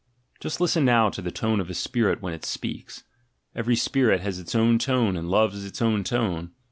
Just listen now to the tone a spirit has when it speaks; every spirit has its own tone and loves its own tone.